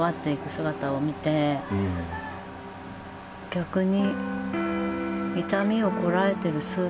逆に。